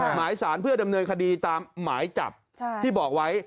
หมายสารเพื่อดำเนินคดีตามหมายจับที่บอกไว้